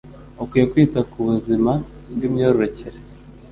ukwiye kwita ku buzima bw'imyororokere